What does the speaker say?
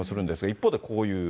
一方で、こういう。